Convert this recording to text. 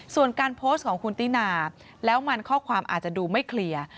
ส่วนการโพสต์ของคุณตินาแล้วมันข้อความอาจจะดูไม่เคลียร์